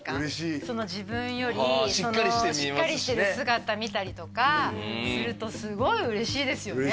その自分よりしっかりしてる姿見たりとかするとすごい嬉しいですよね